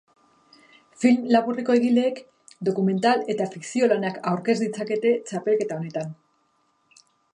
Film labur egileek, dokumetal eta fikzio lanak aurkez ditzakete txapelketa honetan.